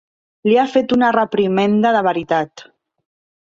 Li ha fet una reprimenda de veritat.